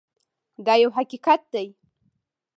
دا یو حقیقت دی.